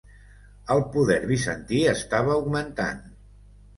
El poder bizantí estava augmentant.